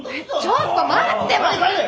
ちょっと待って！